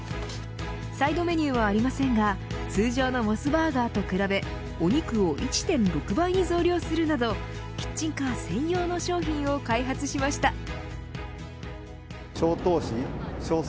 サイドメニューはありませんが通常のモスバーガーと比べお肉を１．６倍に増量するなどキッチンカー専用の商品を開発しました。